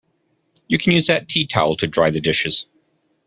You can use that tea towel to dry the dishes